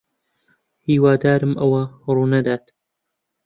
ھیوادارم ئەوە ڕوونەدات.